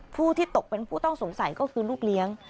ผู้ที่ตกเป็นผู้ต้องสงสัยก็คือลูกเลี้ยง